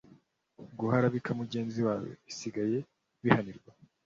guharabika mugenzi wawe bisigaye bihanirwa